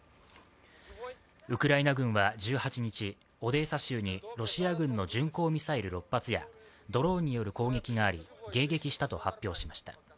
ウクライナ軍は１８日、オデーサ州にロシア軍の巡航ミサイル６発やドローンによる攻撃があり迎撃したと発表しました。